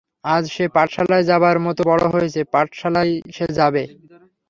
আজ সে পাঠশালায় যাবার মত বড় হয়েছে, পাঠশালায় সে যাবে।